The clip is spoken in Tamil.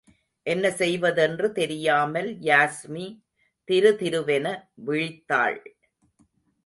என்ன செய்வதென்று தெரியாமல் யாஸ்மி திருதிருவென விழித்தாள்.